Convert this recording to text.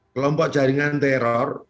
kelompok jaringan teror